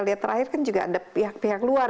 lihat terakhir kan juga ada pihak pihak luar